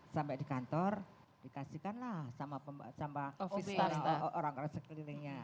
sampai di kantor dikasihkanlah sama orang orang sekelilingnya